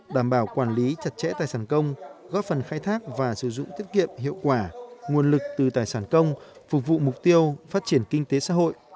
đảm bảo quản lý chặt chẽ tài sản công góp phần khai thác và sử dụng tiết kiệm hiệu quả nguồn lực từ tài sản công phục vụ mục tiêu phát triển kinh tế xã hội